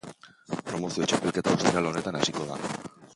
Promozio txapelketa ostiral honetan hasiko da.